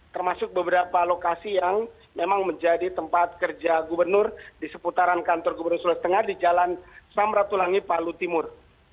termasuk beberapa lokasi yang memang menjadi tempat kerja gubernur di seputaran kantor gubernur sulawesi tengah di jalan samratulangi palu timur